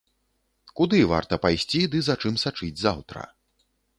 Куды варта пайсці ды за чым сачыць заўтра.